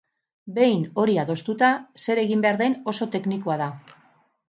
Behin hori adostuta, zer egin behar den oso teknikoa da.